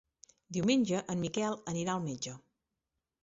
Diumenge en Miquel anirà al metge.